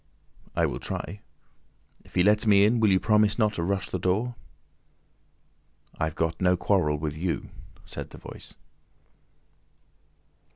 "I will try. If he lets me in will you promise not to rush the door?" "I've got no quarrel with you," said the Voice.